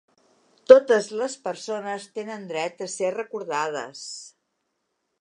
Totes les persones tenen dret a ser recordades.